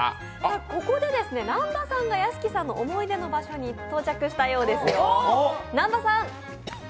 ここで屋敷さんの思い出の場所に到着したようですよ。